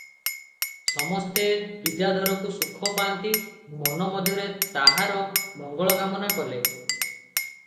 ସମସ୍ତେ ବିଦ୍ୟାଧରକୁ ସୁଖ ପାନ୍ତି, ମନ ମଧ୍ୟରେ ତାହାର ମଂଗଳକାମନା କଲେ ।